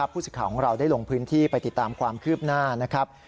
ผู้สื่อข่าวของเราได้ลงพื้นที่ไปติดตามความคืบหน้านะครับ